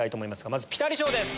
まずピタリ賞です